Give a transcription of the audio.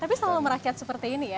tapi selalu merakyat seperti ini ya